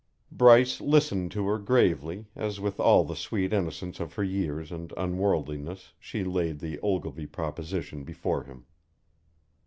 Bryce listened to her gravely as with all the sweet innocence of her years and unworldliness she laid the Ogilvy proposition before him.